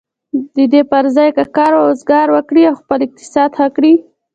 د دې پر ځای که کار و روزګار وکړي او خپل اقتصاد ښه کړي.